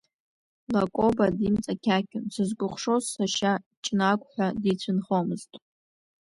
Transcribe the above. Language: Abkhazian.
Лакоба димҵақьақьон, сызкәыхшоу сашьа Ҷнагә ҳәа дицәынхомызт.